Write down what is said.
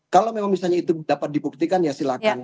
kalau memang misalnya itu dapat dibuktikan ya silakan